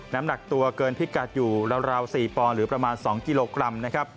น้ำหนักตัวเกินพิกัดอยู่ราว๔ปอนหรือประมาณ๒กิโลกรัมนะครับ